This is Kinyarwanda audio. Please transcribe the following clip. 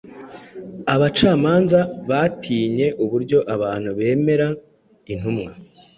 Abacamanza batinye uburyo abantu bemera intumwa